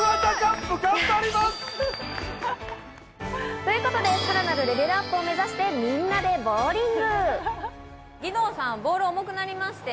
ということで、さらなるレベルアップを目指して、みんなでボウリング！